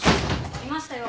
いましたよ。